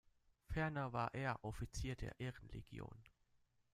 Ferner war er Offizier der Ehrenlegion.